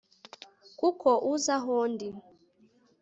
kuki uza aho ndi